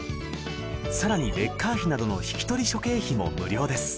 さらにレッカー費などの引取諸経費も無料です